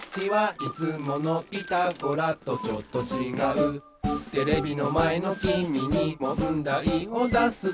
「いつもの『ピタゴラ』とちょっとちがう」「テレビのまえのきみにもんだいをだすぞ」